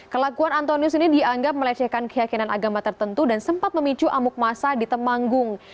kelakuan antonius ini dianggap melecehkan keyakinan agama tertentu dan sempat memicu amuk masa di temanggung